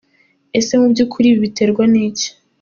Ese mu by'ukuri ibi biterwa n’iki?.